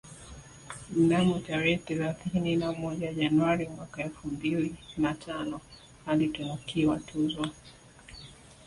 Mnamo tarehe thelathini na moja Januari mwaka elfu mbili na tano alitunukiwa tuzo